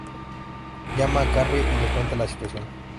Llama a Carrie y le cuenta la situación.